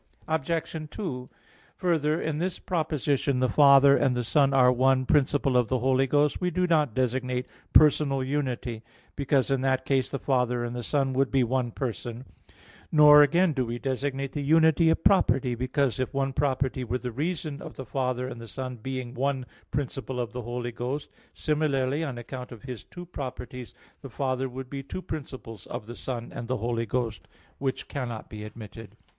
Obj. 2: Further, in this proposition "the Father and the Son are one principle of the Holy Ghost," we do not designate personal unity, because in that case the Father and the Son would be one person; nor again do we designate the unity of property, because if one property were the reason of the Father and the Son being one principle of the Holy Ghost, similarly, on account of His two properties, the Father would be two principles of the Son and of the Holy Ghost, which cannot be admitted.